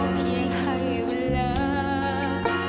เพียงให้เวลา